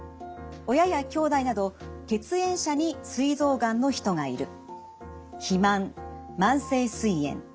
親やきょうだいなど血縁者にすい臓がんの人がいる。